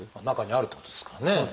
中にあるってことですからね。